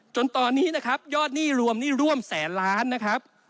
จนตอนนี้นะครับยอดหนี้รวมนี่ร่วมแสนล้านนะครับ